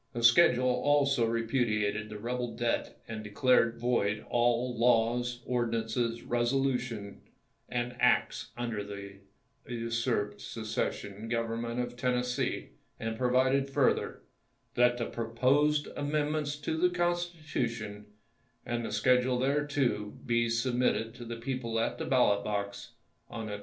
The schedule also repudiated the rebel debt and declared void all laws, ordinances, resolutions, and acts under the usurped secession government of Tennessee ; and provided further: "That the proposed amend ments to the constitution, and the schedule thereto, be submitted to the people at the ballot box, on the 1865.